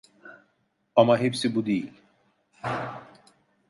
Ama hepsi bu değil.